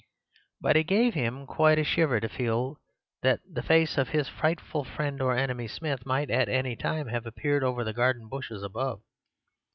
But it gave him quite a shiver to feel that the face of his frightful friend or enemy Smith might at any time have appeared over the garden bushes above.